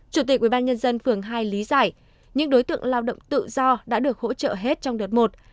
chủ tịch ubnd phường hai lý giải những đối tượng lao động tự do đã được hỗ trợ hết trong đợt một